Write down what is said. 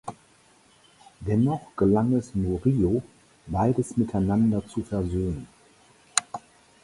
Dennoch gelang es Murillo, beides miteinander zu versöhnen.